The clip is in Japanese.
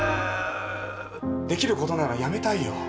できることならやめたいよ。